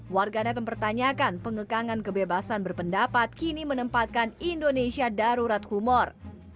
warganet mempertanyakan pengekangan kebebasan berpendapat kini menempatkan indonesia darurat humor